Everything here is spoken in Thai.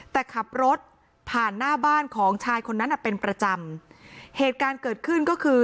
แต่ขับรถผ่านหน้าบ้านของชายคนนั้นอ่ะเป็นประจำเหตุการณ์เกิดขึ้นก็คือ